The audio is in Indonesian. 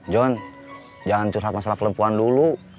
john jangan curhat masalah perempuan dulu